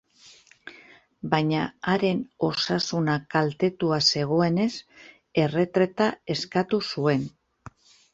Baina haren osasuna kaltetua zegoenez, erretreta eskatu zuen.